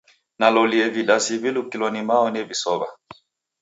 Nalolie vidasi vilukilo ni mao nevisow'a.